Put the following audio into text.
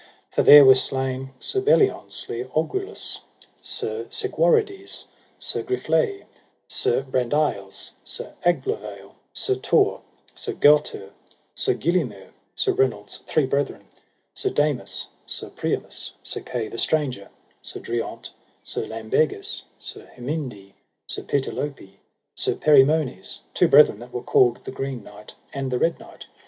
For there was slain Sir Belliance le Orgulous, Sir Segwarides, Sir Griflet, Sir Brandiles, Sir Aglovale, Sir Tor; Sir Gauter, Sir Gillimer, Sir Reynolds' three brethren; Sir Damas, Sir Priamus, Sir Kay the Stranger, Sir Driant, Sir Lambegus, Sir Herminde; Sir Pertilope, Sir Perimones, two brethren that were called the Green Knight and the Red Knight.